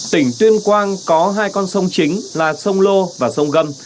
tỉnh tuyên quang có hai con sông chính là sông lô và sông gâm